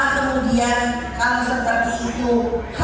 kalau memang saudara keluarga dan keluarga mereka juga bisa mengatakan ya